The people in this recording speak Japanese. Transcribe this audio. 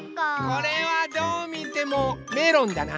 これはどうみてもメロンだな。